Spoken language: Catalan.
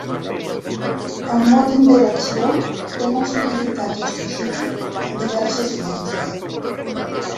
El mot "interacció" té molts significats específics en diverses ciències.